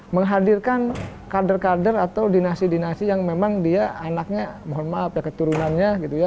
menghadirkan kader kader atau dinasti dinasti yang memang dia anaknya mohon maaf ya keturunannya gitu ya